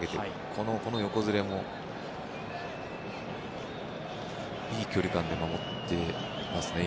この横ずれも、いい距離感で守っていますね。